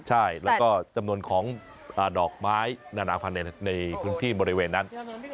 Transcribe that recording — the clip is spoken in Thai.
ใช่แล้วก็จำนวนของดอกไม้นานาพันธุ์ในพื้นที่บริเวณนั้น